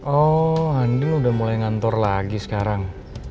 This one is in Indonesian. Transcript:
oh andil udah mulai ngantor lagi sekarang